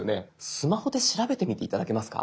スマホで調べてみて頂けますか。